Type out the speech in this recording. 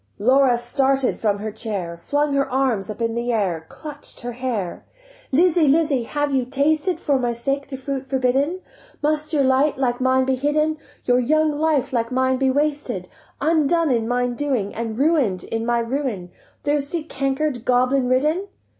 Laura started from her chair, Flung her arms up in the air, Clutch'd her hair: "Lizzie, Lizzie, have you tasted For my sake the fruit forbidden? Must your light like mine be hidden, Your young life like mine be wasted, Undone in mine undoing, And ruin'd in my ruin, Thirsty, canker'd, goblin ridden?"